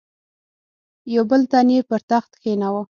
یو بل تن یې پر تخت کښېناوه.